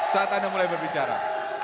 saat anda mulai berbicara